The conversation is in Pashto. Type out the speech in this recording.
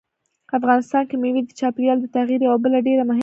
افغانستان کې مېوې د چاپېریال د تغیر یوه بله ډېره مهمه نښه ده.